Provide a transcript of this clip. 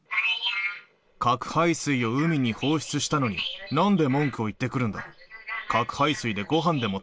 核廃水を海に放出したのに、なんで文句を言ってくるんだ。